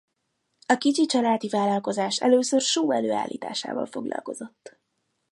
A kicsi családi vállalkozás először só előállításával foglalkozott.